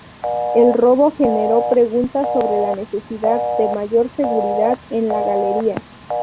El robo generó preguntas sobre la necesidad de mayor seguridad en la galería.